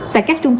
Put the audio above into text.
tại các trường hợp